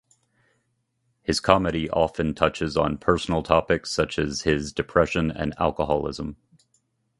His comedy often touches on personal topics such as his depression and alcoholism.